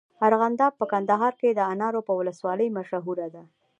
ارغنداب په کندهار کي د انارو په ولسوالۍ مشهوره دی.